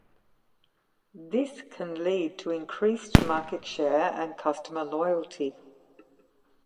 This can lead to increased market share and customer loyalty.